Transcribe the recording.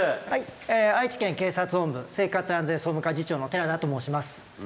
愛知県警察本部生活安全総務課次長の寺田と申します。